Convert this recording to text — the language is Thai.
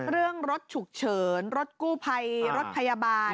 เรื่องรถฉุกเฉินรถกล้าไภรถพยาบาล